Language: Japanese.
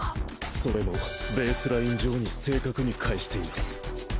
それもベースライン上に正確に返しています。